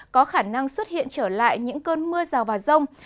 có khả năng xuất hiện trở lại những cơn mưa rào và rông